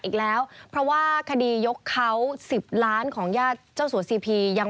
อีกแล้วเพราะว่าคดียกเขา๑๐ล้านของญาติเจ้าสัวซีพียัง